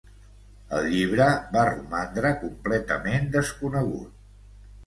El llibre va romandre completament desconegut.